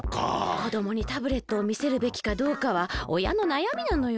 こどもにタブレットをみせるべきかどうかはおやのなやみなのよ。